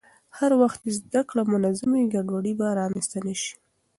هر وخت چې زده کړه منظم وي، ګډوډي به رامنځته نه شي.